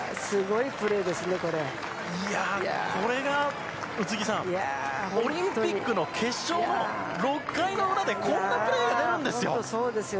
いやー、これが宇津木さん、オリンピックの決勝の６回の裏でこんなプレーが出るんですよ。